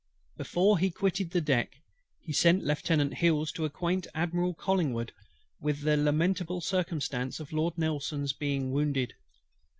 Before he quitted the deck, he sent Lieutenant HILLS to acquaint Admiral COLLINGWOOD with the lamentable circumstance of Lord NELSON'S being wounded.